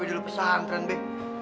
tapi dulu pesan tren be